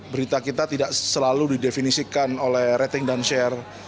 berita kita tidak selalu didefinisikan oleh rating dan share